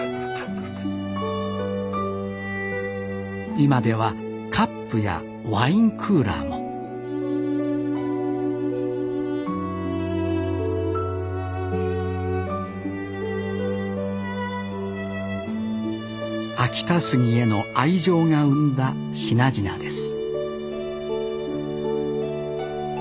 今ではカップやワインクーラーも秋田杉への愛情が生んだ品々です